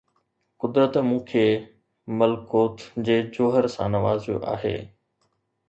قدرت مون کي ملڪوت جي جوهر سان نوازيو آهي